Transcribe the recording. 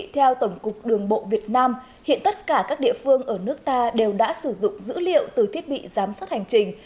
theo tổng cục đường bộ việt nam hiện tất cả các địa phương ở nước ta đều đã sử dụng dữ liệu từ thiết bị giám sát hành trình